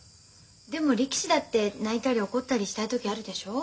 でも力士だって泣いたり怒ったりしたい時あるでしょ？